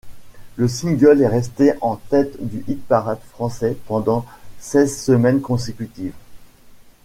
Le single est resté en tête du hit-parade français pendant seize semaines consécutives.